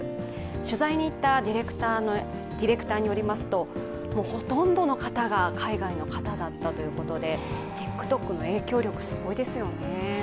取材に行ったディレクターによりますとほとんどの方が海外の方だったということで、ＴｉｋＴｏｋの影響力、すごいですよね。